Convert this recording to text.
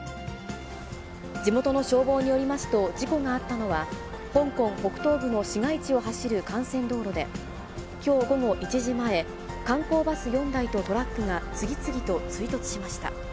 地元の消防によりますと、事故があったのは、香港北東部の市街地を走る幹線道路で、きょう午後１時前、観光バス４台とトラックが次々と追突しました。